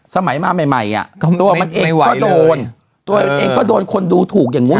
สมัยมาใหม่ใหม่อ่ะตัวมันเองก็โดนตัวเองก็โดนคนดูถูกอย่างเงี้